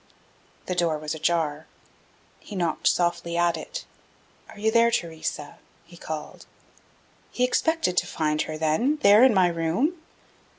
The door was ajar. He knocked softly at it "Are you there, Theresa?" he called. He expected to find her, then, there in my room?